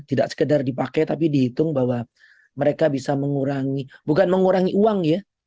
tidak sekedar dipakai tapi dihitung bahwa mereka bisa mengurangi bukan mengurangi uang ya